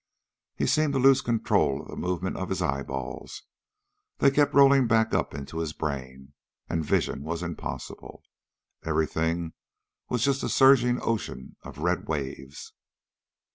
He seemed to lose control of the movement of his eyeballs. They kept rolling back up into his brain, and vision was impossible. Everything was just a surging ocean of red waves.